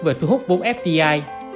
về thu hút bốn fdi